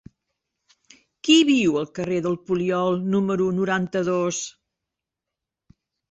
Qui viu al carrer del Poliol número noranta-dos?